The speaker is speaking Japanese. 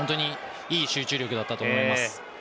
いい集中力だったと思います。